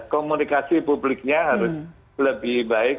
komunikasi publiknya harus lebih baik